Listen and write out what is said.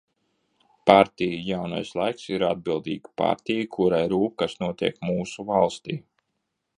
"Partija "Jaunais laiks" ir atbildīga partija, kurai rūp, kas notiek mūsu valstī."